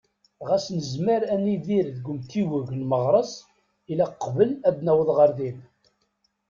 Ɣas nezmer ad nidir deg umtiweg n Meɣres, ilaq qbel ad naweḍ ɣer din.